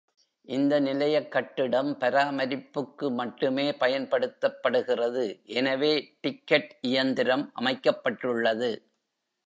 இந்த நிலைய கட்டிடம் பராமரிப்புக்கு மட்டுமே பயன்படுத்தப்படுகிறது, எனவே டிக்கெட் இயந்திரம் அமைக்கப்பட்டுள்ளது.